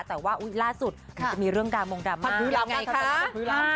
แต่ว่าอุ๊ยล่าสุดจะมีเรื่องการมงดรรมมากภัทรภื้อล้ำไงคะ